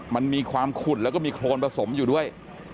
มันมีความขุ่นแล้วก็มีโครนผสมอยู่ด้วย